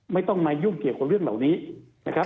ไม่ต้องมายุ่งเกี่ยวกับเรื่องเหล่านี้นะครับ